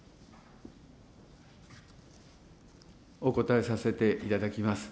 お答えさせていただきます。